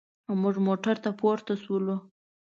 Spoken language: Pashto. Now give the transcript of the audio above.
موږ موټر ته پورته شولو.